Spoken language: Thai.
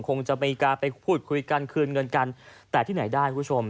คงจะมีการไปพูดคุยกันคืนเงินกันแต่ที่ไหนได้คุณผู้ชม